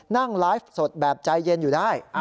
นั่งไลฟ์สดแบบใจเย็นอยู่ได้